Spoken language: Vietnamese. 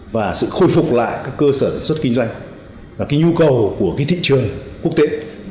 và sự khôi phục lại các cơ sở sản xuất kinh doanh và cái nhu cầu của cái thị trường quốc tế